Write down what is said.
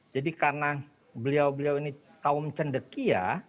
jadi karena beliau beliau ini kaum cendekia